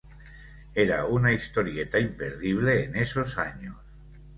Era una historieta imperdible en esos años.